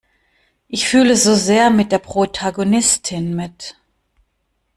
Ich fühle so sehr mit der Protagonistin mit.